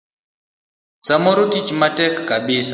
Samoro tich tek kabisa.